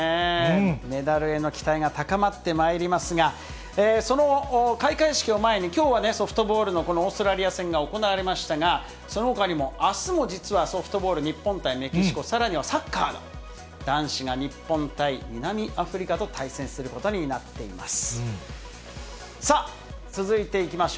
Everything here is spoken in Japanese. メダルへの期待が高まってまいりますが、その開会式を前に、きょうはソフトボールのこのオーストラリア戦が行われましたが、そのほかにもあすも実はソフトボール、日本対メキシコ、さらにはサッカーが、男子が日本対南アフリカと対戦することになっています。